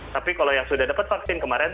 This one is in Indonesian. tapi kalau yang sudah dapat vaksin kemarin